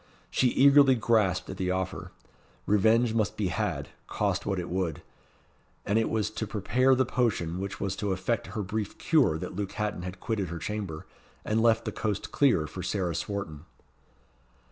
She eagerly grasped at the offer. Revenge must be had, cost what it would. And it was to prepare the potion which was to effect her brief cure that Luke Hatton had quitted her chamber, and left the coast clear for Sarah Swarton.